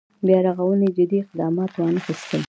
بیا رغونې جدي اقدامات وانخېستل.